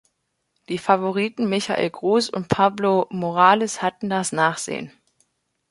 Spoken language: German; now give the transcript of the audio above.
Die Favoriten Michael Groß und Pablo Morales hatten das Nachsehen.